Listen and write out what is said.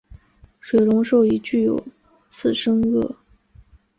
水龙兽已具有次生腭。